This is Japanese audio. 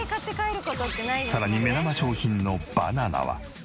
さらに目玉商品のバナナは。